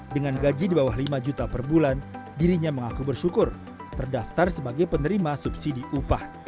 dengan gaji di bawah lima juta per bulan dirinya mengaku bersyukur terdaftar sebagai penerima subsidi upah